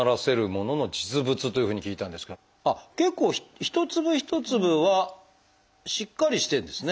結構一粒一粒はしっかりしてるんですね。